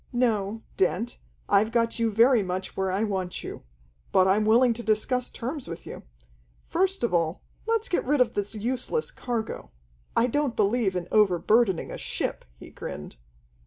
No, Dent, I've got you very much where I want you. But I'm willing to discuss terms with you. First of all, let's get rid of this useless cargo. I don't believe in overburdening a ship," he grinned.